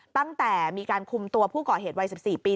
ตั้งแต่มีการคุมตัวผู้ก่อเหตุวัย๑๔ปี